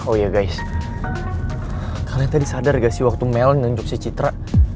oh iya guys kalian tadi sadar ga sih waktu mel nunjuk si citra